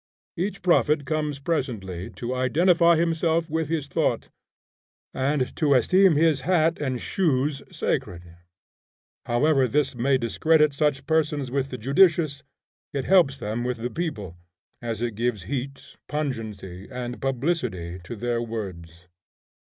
Each prophet comes presently to identify himself with his thought, and to esteem his hat and shoes sacred. However this may discredit such persons with the judicious, it helps them with the people, as it gives heat, pungency, and publicity to their words.